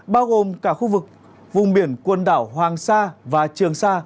bao gồm cả khu vực vùng biển quần đảo hoàng sa và trường sa